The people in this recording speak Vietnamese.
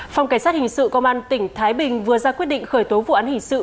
phòng cảnh sát hình sự công an tỉnh thái bình vừa ra quyết định khởi tố vụ án hình sự